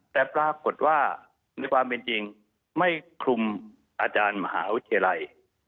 แต่ปรากฏว่าในความเป็นจริงไม่คลุมอาจารย์มหาวิทยาลัย